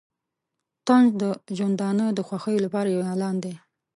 طنز د ژوندانه د خوښیو لپاره یو اعلان دی.